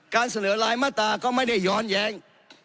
เสนอรายมาตราก็ไม่ได้ย้อนแย้ง